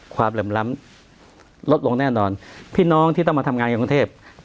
เหลื่อมล้ำลดลงแน่นอนพี่น้องที่ต้องมาทำงานอย่างกรุงเทพ